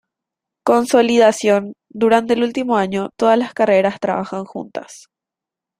Consolidación- Durante el último año todas las carreras trabajan juntas.